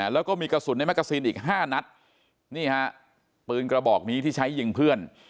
แล้วก็มีกระสุนในแกซีนอีกห้านัดนี่ฮะปืนกระบอกนี้ที่ใช้ยิงเพื่อน